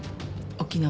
沖縄。